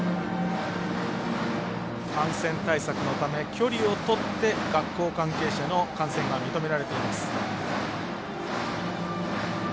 感染対策のため距離をとって学校関係者の観戦が認められています。